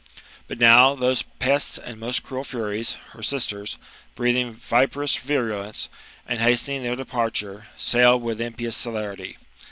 But now those pests and most cruel furies, her sbters, breathing viperous virulence, and hastening their departure, sailed wi)h impious celerity.